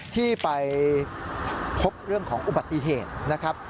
ที่ไปพบเรื่องของอุบัติเหตุนะครับ